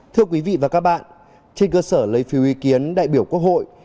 thưa quý vị và các bạn trên cơ sở lấy phiếu ý kiến đại biểu quốc hội